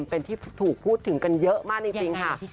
เป็นที่ถูกพูดถึงกันเยอะมากจริงค่ะ